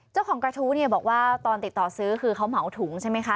เจ้าของกระทู้เนี่ยบอกว่าตอนติดต่อซื้อคือเขาเหมาถุงใช่ไหมคะ